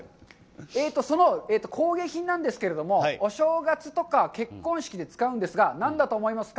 その工芸品なんですけども、お正月とか結婚式で使うんですが、何だと思いますか？